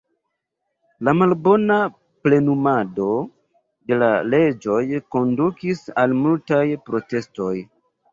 La malbona plenumado de la leĝoj kondukis al multaj protestoj.